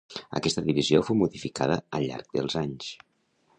Aquesta divisió fou modificada al llarg dels anys.